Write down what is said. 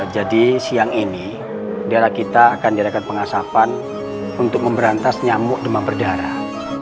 jadi siang ini daerah kita akan dirakan pengasapan untuk memberantas nyamuk demam berdarah